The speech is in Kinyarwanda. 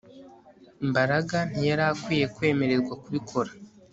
Mbaraga ntiyari akwiye kwemererwa kubikora